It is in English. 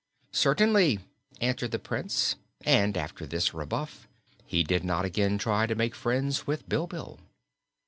"Certainly," answered the Prince, and after this rebuff he did not again try to make friends with Bilbil.